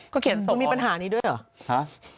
มึงมีปัญหานี่ด้วยหรอ